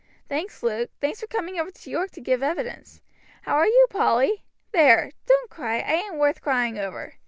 "Thanks, Luke thanks for coming over to York to give evidence. How are you, Polly? There! don't cry I ain't worth crying over.